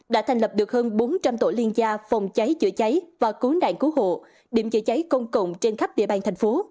đã thành lập được hơn bốn trăm linh tổ liên gia phòng cháy chữa cháy và cứu nạn cứu hộ điểm chữa cháy công cộng trên khắp địa bàn thành phố